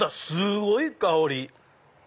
すごい香り！